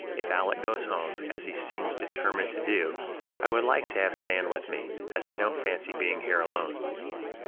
If Aleck goes home, as he seems determined to do, I would like to have Zan with me, as I don't fancy being here alone."